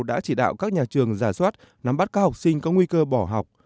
đã chỉ đạo các nhà trường giả soát nắm bắt các học sinh có nguy cơ bỏ học